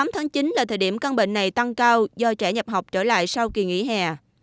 tám tháng chín là thời điểm căn bệnh này tăng cao do trẻ nhập học trở lại sau kỳ nghỉ hè